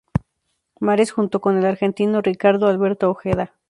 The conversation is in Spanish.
Mares junto con el argentino Ricardo Alberto Ojeda.